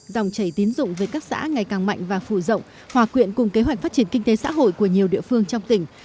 dòng chảy tín dụng về các xã ngày càng mạnh và phủ rộng hòa quyện cùng kế hoạch phát triển kinh tế xã hội của nhiều địa phương trong tỉnh